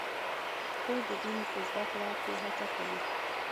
خور د دین په زده کړه کې هڅه کوي.